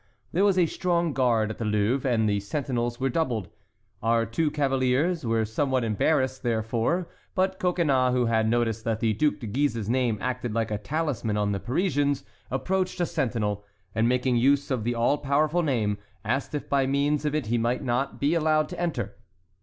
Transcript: There was a strong guard at the Louvre and the sentinels were doubled. Our two cavaliers were somewhat embarrassed, therefore, but Coconnas, who had noticed that the Duc de Guise's name acted like a talisman on the Parisians, approached a sentinel, and making use of the all powerful name, asked if by means of it he might not be allowed to enter.